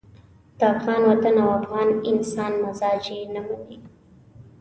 د افغان وطن او افغان انسان مزاج یې نه مني.